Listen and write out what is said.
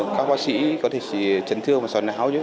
các bác sĩ có thể chỉ chấn thương và sỏ não chứ